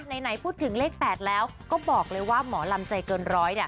ไหนพูดถึงเลข๘แล้วก็บอกเลยว่าหมอลำใจเกินร้อย